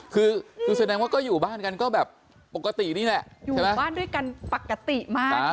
คือคือแสดงว่าก็อยู่บ้านกันก็แบบปกตินี่แหละอยู่บ้านด้วยกันปกติมาก